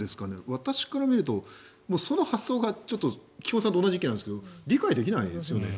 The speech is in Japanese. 私から見るとちょっとその発想が菊間さんと同じ意見なんですが理解できないですよね。